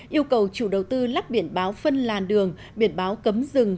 yêu cầu chủ đầu tư lắp biển báo phân làn đường biển báo cấm rừng